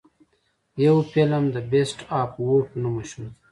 يو فلم The Beast of War په نوم مشهور دے.